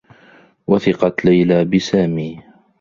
وثقت ليلى بسامي.